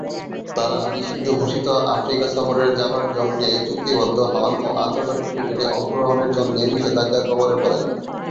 তারা নিষিদ্ধ ঘোষিত দক্ষিণ আফ্রিকা সফরের যাবার জন্যে চুক্তিবদ্ধ হন ও আন্তর্জাতিক ক্রিকেটে অংশগ্রহণের জন্যে নিষেধাজ্ঞার কবলে পড়েন।